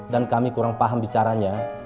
dan kami kurang paham bicaranya